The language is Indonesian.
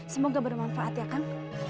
semoga bermanfaat ya kak